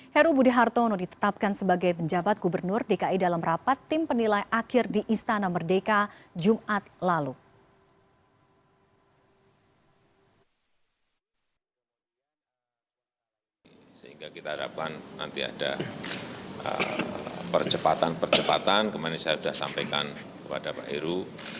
heru budi hartono ditetapkan sebagai penjabat gubernur dki dalam rapat tim penilai akhir di istana merdeka jumat lalu